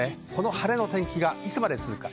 晴れの天気がいつまで続くのか。